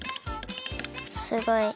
すごい。